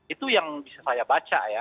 itu yang bisa saya baca ya